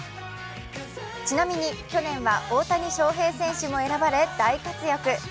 ちなみに去年は大谷翔平選手も選ばれ大活躍。